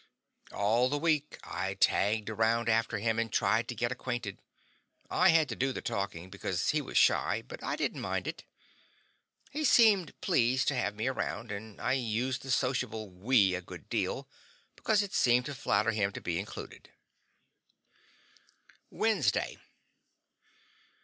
All the week I tagged around after him and tried to get acquainted. I had to do the talking, because he was shy, but I didn't mind it. He seemed pleased to have me around, and I used the sociable "we" a good deal, because it seemed to flatter him to be included. WEDNESDAY.